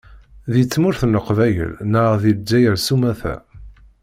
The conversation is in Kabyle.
Deg tmurt n Leqbayel neɣ deg Lezzayer sumata.